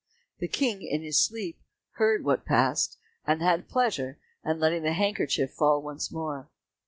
The King in his sleep heard what passed, and had pleasure in letting the handkerchief fall once more.